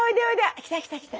来た来た来た。